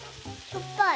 しょっぱい？